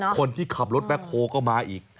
คนที่ขับรถแบ็คโฮก็มาอีก